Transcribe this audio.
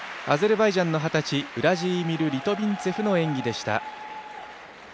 アゼルバイジャンの二十歳ウラジーミル・リトビンツェフの演技でした。